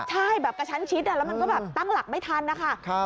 ใช่แบบกระชั้นชิดแล้วมันก็แบบตั้งหลักไม่ทันนะคะ